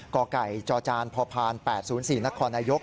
กจพ๘๐๔นน